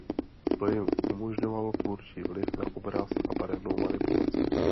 To jim umožňovalo tvůrčí vliv na obraz a barevnou manipulaci.